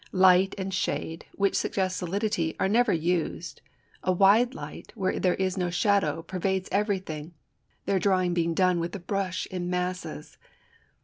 Light and shade, which suggest solidity, are never used, a wide light where there is no shadow pervades everything, their drawing being done with the brush in masses.